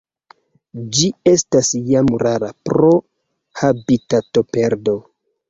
Ĝi estas jam rara pro habitatoperdo.